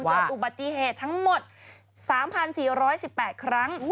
เกิดอุบัติเหตุทั้งหมด๓๔๑๘ครั้ง